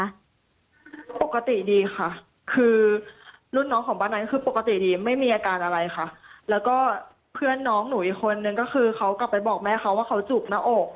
ปกติดีค่ะคือรุ่นน้องของบ้านนั้นคือปกติดีไม่มีอาการอะไรค่ะแล้วก็เพื่อนน้องหนูอีกคนนึงก็คือเขากลับไปบอกแม่เขาว่าเขาจูบหน้าอก